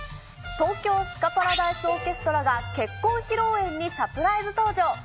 東京スカパラダイスオーケストラが、結婚披露宴にサプライズ登場。